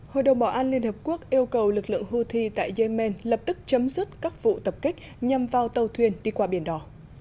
hội đồng bảo an liên hợp quốc yêu cầu lực lượng houthi tại yemen lập tức chấm dứt các vụ tập kích nhằm vào tàu thuyền đi qua biển đỏ